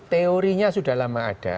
teorinya sudah lama ada